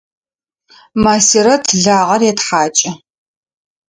Масирэт лагъэр етхьакӏы.